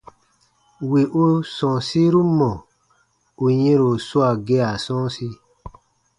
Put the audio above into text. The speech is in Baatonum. Wì u sɔ̃ɔsiru mɔ̀ ù yɛ̃ro swaa gea sɔ̃ɔsi.